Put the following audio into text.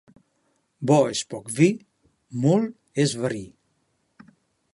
Bo és poc vi, molt és verí.